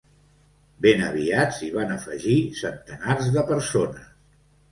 Ben aviat s’hi van afegir centenars de persones.